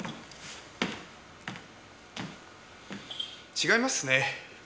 違いますね。